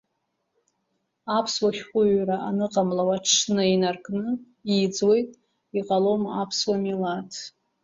Аԥсуа шәҟәыҩҩра аныҟамлауа аҽны инаркны иӡуеит, иҟалом аԥсуа милаҭ.